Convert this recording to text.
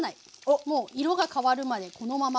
もう色が変わるまでこのまま。